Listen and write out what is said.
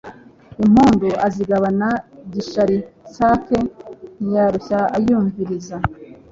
Impundu azigabana GishariIsake ntiyarushya ayumviriza